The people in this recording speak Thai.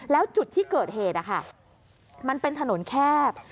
แล้วจุดที่เกิดเหตุมันเป็นถนนแคบ